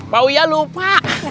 pak wia lupa